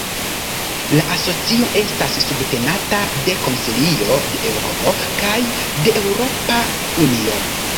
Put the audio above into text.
La asocio estas subtenata de Konsilio de Eŭropo kaj de Eŭropa Unio.